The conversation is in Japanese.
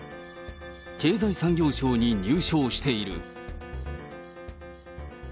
経済産業省に入省している。